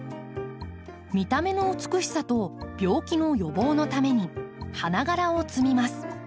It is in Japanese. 見た目の美しさと病気の予防のために花がらを摘みます。